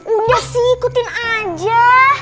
udah sih ikutin aja